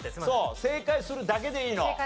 正解するだけでいいの。